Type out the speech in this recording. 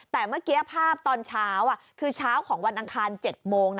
แต่เมื่อกี้ภาพตอนเช้าคือเช้าของวันอังคาร๗โมง